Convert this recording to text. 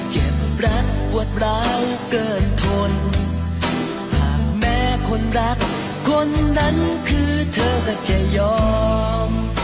เจ็บรักปวดร้าวเกินทนหากแม้คนรักคนนั้นคือเธอก็จะยอม